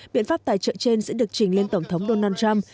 biện pháp tài trợ trên sẽ được trình lên tổng thống donald trump